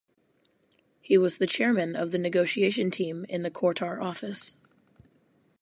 He was the Chairman of the negotiation team in the Qatar office.